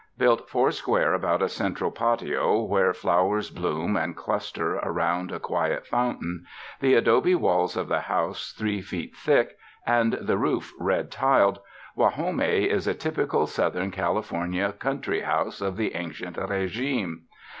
Built four square about a central patio where flow ers bloom and cluster around a quiet fountain, the adobe walls of the house three feet thick and the 127 UNDER THE SKY IN CALIFORNIA roof red tiled, Guajome is a typical Southern Cali fornia country house of the ancient regime.